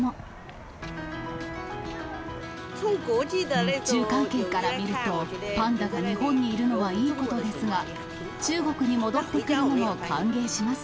日中関係から見ると、パンダが日本にいるのはいいことですが、中国に戻ってくるのも歓迎します。